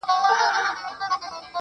نور په ما مه کوه هوس راپسې وبه ژاړې,